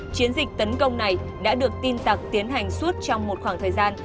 chiến dịch tấn công này đã được tin tặc tiến hành suốt trong một khoảng thời gian